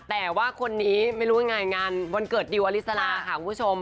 แต่ว่าคนนี้ไม่รู้ยังไงงานวันเกิดดิวอลิสลาค่ะคุณผู้ชม